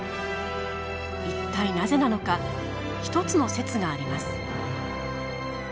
一体なぜなのか一つの説があります。